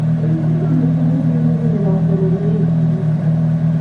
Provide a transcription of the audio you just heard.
El único sector que crece es el de la hostelería y el turismo rural.